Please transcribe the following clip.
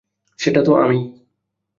সেটা তো আমিই।